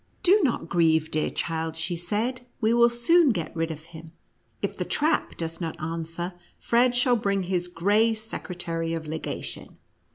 " Do not grieve, dear child," she said ; "we will soon get rid of him. If the trap does not answer, Fred shall bring his gray secretary of legation."